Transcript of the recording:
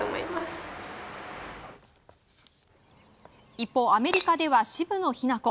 一方、アメリカでは渋野日向子。